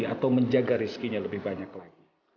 atau menjaga rezekinya lebih banyak lagi